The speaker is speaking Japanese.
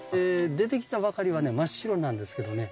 出てきたばかりはね真っ白なんですけどね